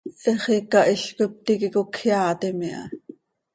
He xiica hizcoi ptiiqui cocjeaatim iha.